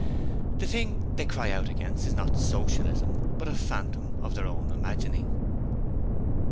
The thing they cry out against is not Socialism but a phantom of their own imagining.